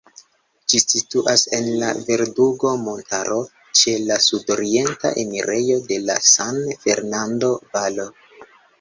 Ĝi situas en la Verdugo-montaro, ĉe la sudorienta enirejo de la San Fernando-valo.